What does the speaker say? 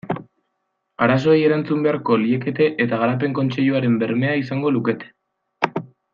Arazoei erantzun beharko liekete eta Garapen Kontseiluaren bermea izango lukete.